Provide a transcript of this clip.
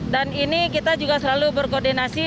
dan ini kita juga selalu berkoordinasi